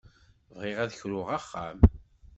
Bɣiɣ ad kruɣ axxam.